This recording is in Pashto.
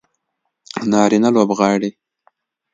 نارینه لوبغاړي